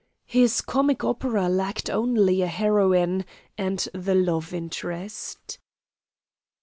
His comic opera lacked only a heroine and the love interest.